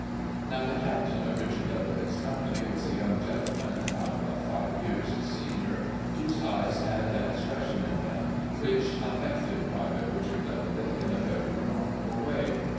Now the Captain of Richard Doubledick's company was a young gentleman not above five years his senior, whose eyes had an ex pression in them which affected Private Richard Doubledick in a very remarkable way.